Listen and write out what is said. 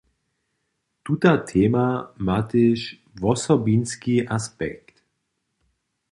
Tuta tema ma tež wosobinski aspekt.